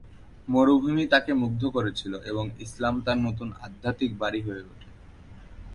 মরুভূমি তাকে মুগ্ধ করেছিল এবং ইসলাম তার নতুন আধ্যাত্মিক বাড়ি হয়ে ওঠে।